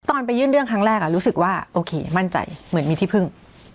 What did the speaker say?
ไปยื่นเรื่องครั้งแรกรู้สึกว่าโอเคมั่นใจเหมือนมีที่พึ่ง